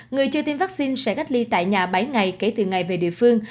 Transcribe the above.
người chưa tiêm vaccine sẽ cách ly tại nhà bảy ngày kể từ ngày về địa phương